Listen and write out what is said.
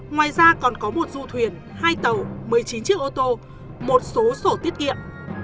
ngoài ra còn có một du thuyền hai tàu một mươi chín chiếc ô tô một số sổ tiết kiệm